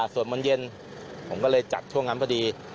ส่วนมนต์เย็นผมก็เลยจัดช่วงนั้นพอดี